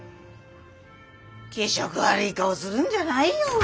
気色悪い顔するんじゃないよ！